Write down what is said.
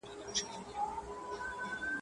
قنلدر ته په زاريو غلبلو سو.